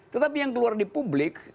tetapi yang keluar di publik